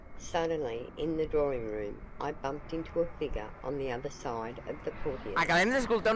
Suddenly, in the drawing room, I bumped into a figure on the other side of the portieres.